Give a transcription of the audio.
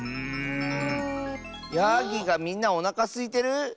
やぎがみんなおなかすいてる？